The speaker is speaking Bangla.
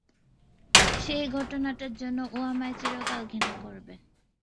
সেই ঘটনাটার জন্য ও আমায় চিরকাল ঘৃণা করবে।